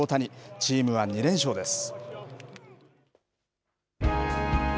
チームは２連勝です。